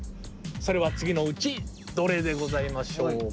それは次のうちどれでございましょうか？